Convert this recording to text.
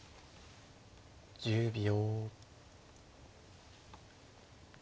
１０秒。